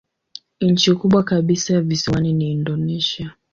Nchi kubwa kabisa ya visiwani ni Indonesia.